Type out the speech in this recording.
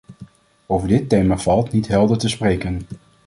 Over dit thema valt niet helder te speken.